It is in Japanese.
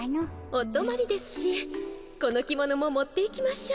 おとまりですしこの着物も持っていきましょう。